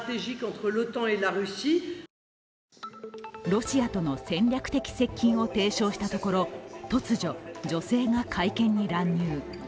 ロシアとの戦略的接近を提唱したところ突如、女性が会見に乱入。